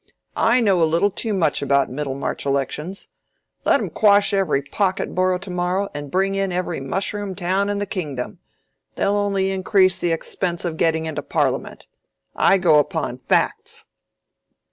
"I know a little too much about Middlemarch elections. Let 'em quash every pocket borough to morrow, and bring in every mushroom town in the kingdom—they'll only increase the expense of getting into Parliament. I go upon facts."